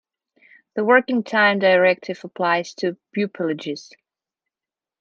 The Working Time Directive applies to pupillages.